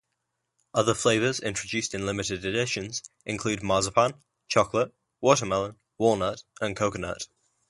Other flavours introduced in limited editions include: marzipan, chocolate, watermelon, walnut and coconut.